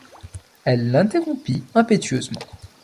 Elle l’interrompit impétueusement.